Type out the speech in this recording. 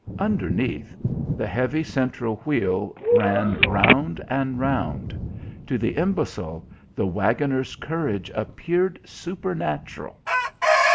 Underneath, the heavy central wheel ran round and round! To the imbecile the waggoner's courage appeared supernatural.